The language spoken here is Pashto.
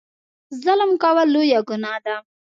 ظلم کول لویه ګناه ده.